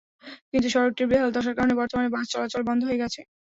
কিন্তু সড়কটির বেহাল দশার কারণে বর্তমানে বাস চলাচল বন্ধ হয়ে গেছে।